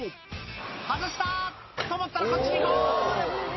外した！と思ったらこっちにゴール！